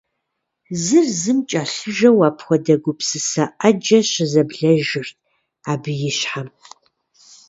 Зыр зым кӏэлъыжэу апхуэдэ гупсысэ ӏэджэ щызэблэжырт абы и щхьэм.